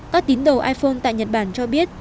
các tín đồ iphone tại nhật bản cho biết